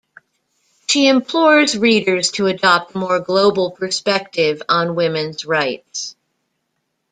She implores readers to adopt a more global perspective on women's rights.